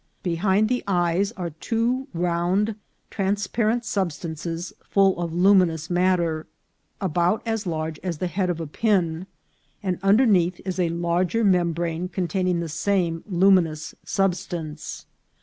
Behind the eyes are two round transparent substances full of luminous matter, about as large as the head of a pin, and underneath is a larger membrane containing the same luminous substance.